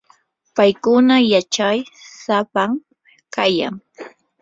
paykuna yachay sapam kayan.